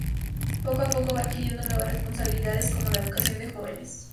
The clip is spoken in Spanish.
Poco a poco, va adquiriendo nuevas responsabilidades como la educación de jóvenes.